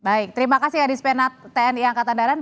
baik terima kasih adis penat tni angkatan darat